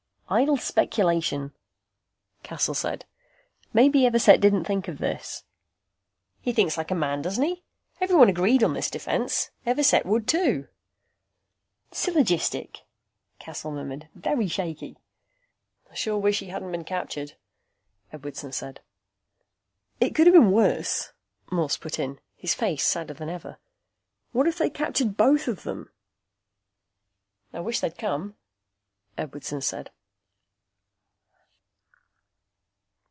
'" "Idle speculation," Cassel said. "Maybe Everset didn't think of this." "He thinks like a man, doesn't he? Everyone agreed on this defense. Everset would, too." "Syllogistic," Cassel murmured. "Very shaky." "I sure wish he hadn't been captured," Edwardson said. "It could have been worse," Morse put in, his face sadder than ever. "What if they'd captured both of them?" "I wish they'd come," Edwardson said.